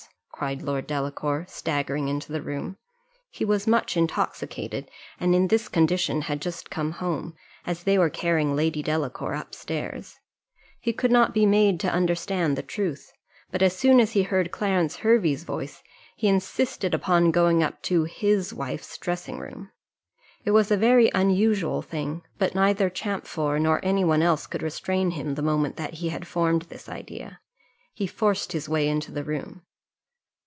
cried Lord Delacour, staggering into the room: he was much intoxicated, and in this condition had just come home, as they were carrying Lady Delacour up stairs: he could not be made to understand the truth, but as soon as he heard Clarence Hervey's voice, he insisted upon going up to his wife's dressing room. It was a very unusual thing, but neither Champfort nor any one else could restrain him, the moment that he had formed this idea; he forced his way into the room.